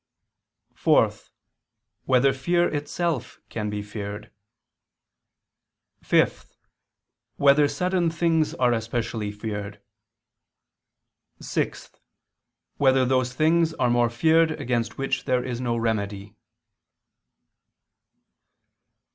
(4) Whether fear itself can be feared? (5) Whether sudden things are especially feared? (6) Whether those things are more feared against which there is no remedy?